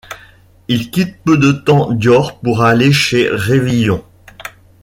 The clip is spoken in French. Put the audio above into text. Il quitte peu de temps Dior pour aller chez Révillon.